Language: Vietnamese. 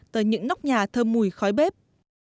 tới những nóc nhà thơm mùi khói bếp